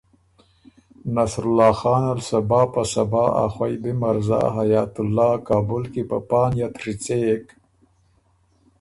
نصرالله خان ال صبا په صبا ا خوئ بی مرزا حیات الله کابل کی په پا نئت ڒیڅېک